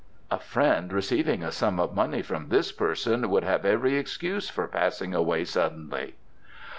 "A friend receiving a sum of money from this person would have every excuse for passing away suddenly."